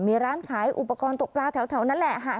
มีร้านขายอุปกรณ์ตกปลาแถวนั้นแหละค่ะ